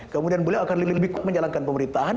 kemudian beliau akan lebih kuat menjalankan pemerintahan